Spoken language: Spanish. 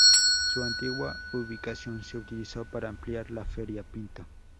Su antigua ubicación se utilizó para ampliar la feria Pinto.